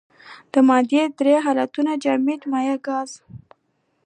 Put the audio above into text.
د مادې درې حالتونه جامد مايع ګاز.